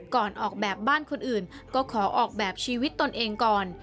ออกแบบบ้านคนอื่นก็ขอออกแบบชีวิตตนเองก่อน